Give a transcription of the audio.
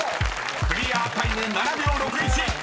［クリアタイム７秒６１。